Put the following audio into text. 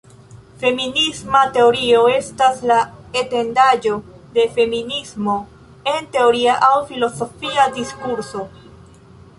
Feminisma teorio estas la etendaĵo de feminismo en teoria aŭ filozofia diskurso.